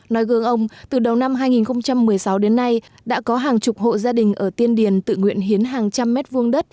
nói gương ông từ đầu năm hai nghìn một mươi sáu đến nay đã có hàng chục hộ gia đình ở tiên điền tự nguyện hiến hàng trăm mét vuông đất